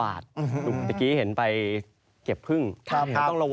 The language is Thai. หายแล้วค่ะตอนนี้หายแล้วค่ะ